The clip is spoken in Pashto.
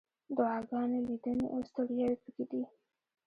دعاګانې، لیدنې، او ستړیاوې پکې دي.